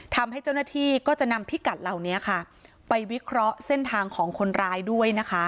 ทำให้เจ้าหน้าที่ก็จะนำพิกัดเหล่านี้ค่ะไปวิเคราะห์เส้นทางของคนร้ายด้วยนะคะ